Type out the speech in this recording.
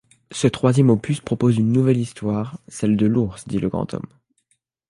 Ce troisième opus propose une nouvelle histoire, celle de Lours dit Le Grand Homme.